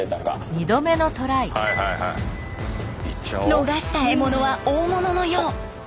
逃した獲物は大物のよう。